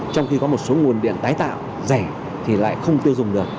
trong khi có một số nguồn điện tái tạo rẻ thì lại không tiêu dùng được